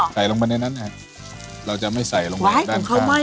เสร็จแล้วอ่าเมื่อมันเข้ากันดีแล้วเห็นไหมเราเติมน้ำ